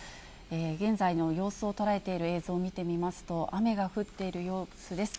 現在の様子を捉えている映像を見てみますと、雨が降っている様子です。